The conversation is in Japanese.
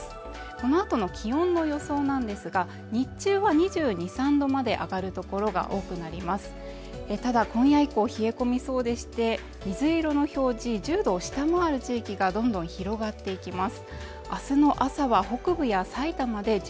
このあとの気温の予想なんですが日中は上がる所が多くなりますただ今夜以降冷え込みそうでして水色の表示１０度を下回る地域がどんどん広がっていきます